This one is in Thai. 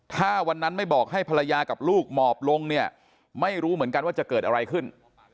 ถ้าวันนั้นไม่บอกให้ภรรยากับลูกหมอบลงเนี่ยไม่รู้เหมือนกันว่าจะเกิดอะไรขึ้น